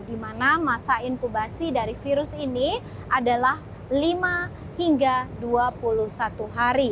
di mana masa inkubasi dari virus ini adalah lima hingga dua puluh satu hari